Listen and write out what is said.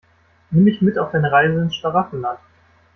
Nimm mich mit auf deine Reise ins Schlaraffenland.